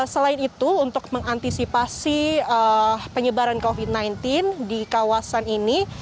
selain itu untuk mengantisipasi penyebaran covid sembilan belas di kawasan ini